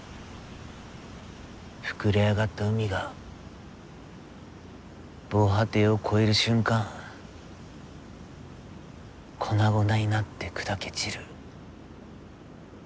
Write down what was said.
膨れ上がった海が防波堤を越える瞬間粉々になって砕け散る。